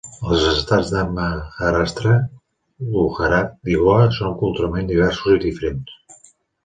Els estats de Maharashtra, Gujarat i Goa són culturalment diversos i diferents.